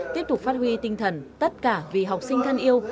tiếp tục phát huy tinh thần tất cả vì học sinh thân yêu